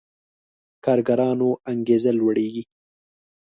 کارګرانو انګېزه لوړېږي.